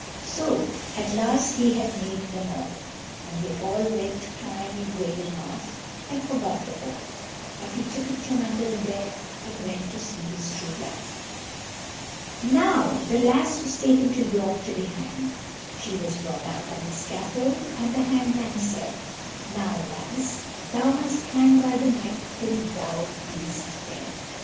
So at last he had maimed them all, and they all went crying and wailing off, and forgot the ball, but he took it from under the bed, and went to seek his true love. Now the lass was taken to York to be hanged; she was brought out on the scaffold, and the hangman said, "Now, lass, thou must hang by the neck till thou be'st dead."